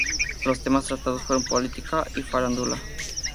Los temas tratados fueron política y farándula.